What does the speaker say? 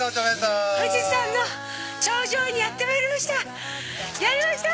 富士山の頂上にやってまいりました。